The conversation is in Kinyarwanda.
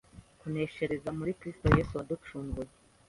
Kuneshereza muri Kristo yesu waducunguye